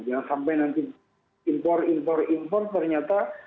jangan sampai nanti impor impor impor ternyata